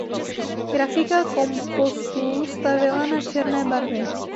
Grafika Kompostu stavěla na černé barvě.